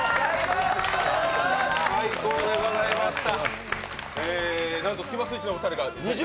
最高でございました。